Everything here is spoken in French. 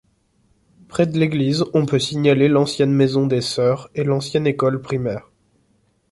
Près de l'église on peut signaler l'ancienne maison des Sœurs et l'ancienne école primaire.